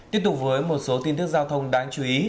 tiếp tục với một số tin tức giao thông đáng chú ý